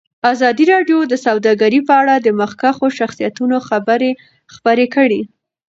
ازادي راډیو د سوداګري په اړه د مخکښو شخصیتونو خبرې خپرې کړي.